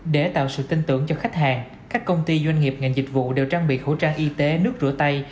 để tạo sự tin tưởng cho khách hàng các công ty doanh nghiệp ngành dịch vụ đều trang bị khẩu trang y tế nước rửa tay